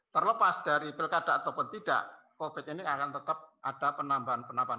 terlepas dari pilkada ataupun tidak covid ini akan tetap ada penambahan penambahan